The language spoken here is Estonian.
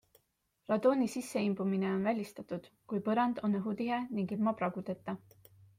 Radooni sisseimbumine on välistatud, kui põrand on õhutihe ning ilma pragudeta.